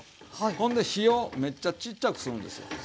ほんで火をめっちゃちっちゃくするんですよ。